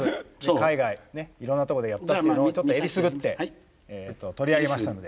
海外ねいろんなとこでやったっていうのをちょっとえりすぐって取り上げましたので。